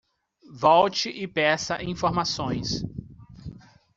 Volte e peça informações.